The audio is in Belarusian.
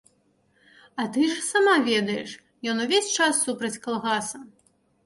А ты ж сама ведаеш, ён увесь час супраць калгаса.